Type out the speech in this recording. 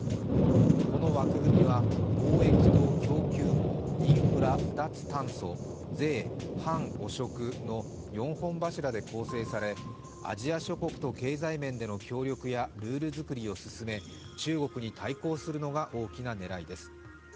この枠組みは貿易と供給網、インフラ・脱炭素、税・反汚職の四本柱で構成されアジア諸国と経済面での協力やルール作りを進め中国に対抗するのが大きな狙いです。